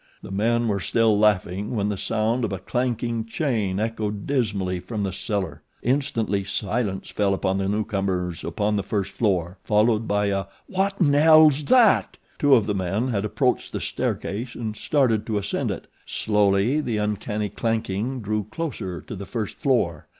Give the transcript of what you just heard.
The men were still laughing when the sound of a clanking chain echoed dismally from the cellar. Instantly silence fell upon the newcomers upon the first floor, followed by a "Wotinel's that?" Two of the men had approached the staircase and started to ascend it. Slowly the uncanny clanking drew closer to the first floor.